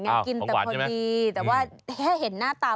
มันกินแต่พอดี